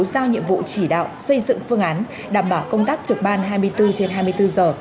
giao nhiệm vụ chỉ đạo xây dựng phương án đảm bảo công tác trực ban hai mươi bốn trên hai mươi bốn giờ